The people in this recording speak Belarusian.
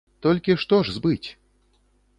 Толькі што ж збыць?